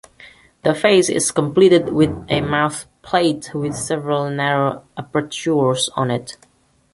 The face is completed with a mouthplate with several narrow apertures on it.